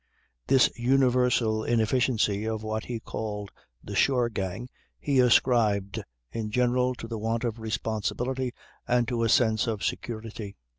This universal inefficiency of what he called "the shore gang" he ascribed in general to the want of responsibility and to a sense of security.